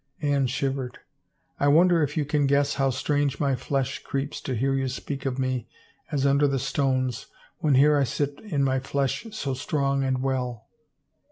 Anne shivered. " I wonder if you can guess how strange my flesh creeps to hear you speak of me as under the stones, when here I sit in my flesh so strong and well.